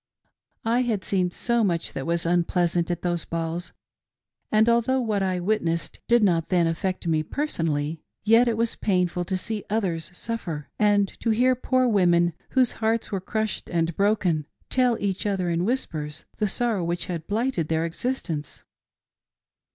I had seen so much that was unpleasant at those balls ; and although what I witnessed did not then affect me personally, yet it was painful to see others suffer, and to hear poor women, whose hearts were crushed and broken, tell to each other in whispers the sorrow which had blighted their existence.